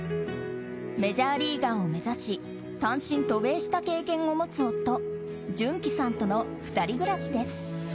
メジャーリーガーを目指し単身渡米した経験を持つ夫潤熙さんとの２人暮らしです。